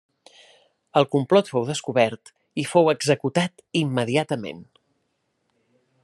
El complot fou descobert i fou executat immediatament.